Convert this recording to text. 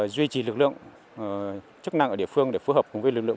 duy trì lực lượng chức năng ở địa phương để phù hợp cùng với lực lượng